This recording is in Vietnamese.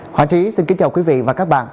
họa trí xin kính chào quý vị và các bạn